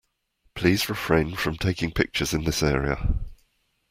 Please refrain from taking pictures in this area.